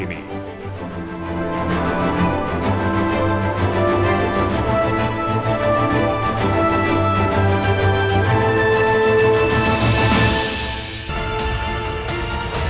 dan menyebabkan perjalanan perjalanan ke dunia